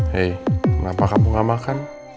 hei kenapa kamu gak makan